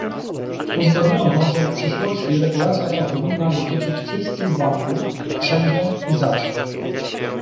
Uzgodniono, że w przyszłości regulacja ta powinna dotyczyć wszystkich banków, wszędzie i zawsze